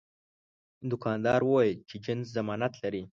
دوکاندار وویل چې جنس ضمانت لري.